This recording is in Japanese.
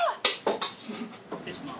失礼します。